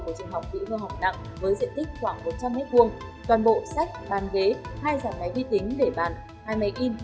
toàn bộ sách bàn ghế hai giảm máy vi tính để bàn hai máy in và một số vật sự khác bị thiêu dụi